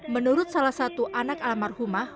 menurut salah satu anak almarhumah